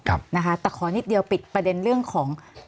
แต่ขอนิดเดียวปิดประเด็นเรื่องของ